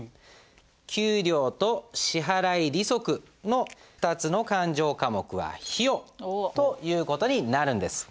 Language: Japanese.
給料と支払利息の２つの勘定科目は費用という事になるんです。